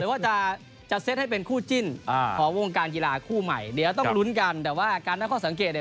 ภาทมุริปริดินเนี่ยแบกน้ำหนักเลยนะครับ